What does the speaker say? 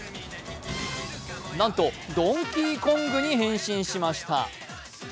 なんと、ドンキーコングに変身しました。